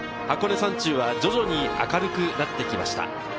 箱根山中は徐々に明るくなってきました。